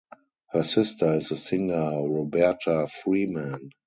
Her sister is the singer Roberta Freeman.